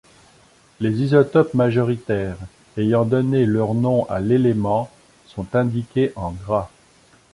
Les isotopes majoritaires ayant donné leur nom à l'élément sont indiqués en gras.